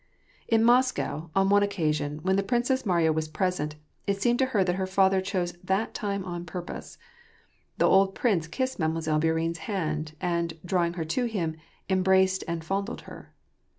In Moscow, on one occasion when the Princess Mariya was present, — it seemed to her that her father chose that time on purpose, — the old prince kissed Mademoiselle Bourienne's hand, and, drawing her Hx) him, embraced and fondled her.